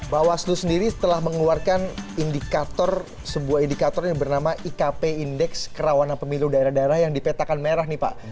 bawaslu sendiri telah mengeluarkan indikator sebuah indikator yang bernama ikp indeks kerawanan pemilu daerah daerah yang dipetakan merah nih pak